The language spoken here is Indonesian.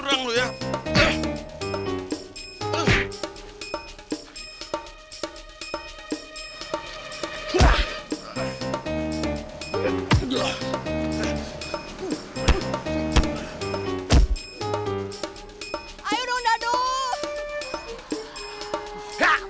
aduh dodo aduh